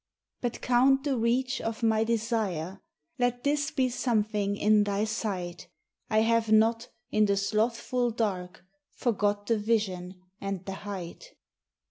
But count the reach of my desire. Let this be something in Thy sight: I have not, in the slothful dark, Forgot the Vision and the Height.